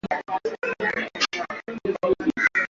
upo karibu na jamii ya wasomali akisema kwamba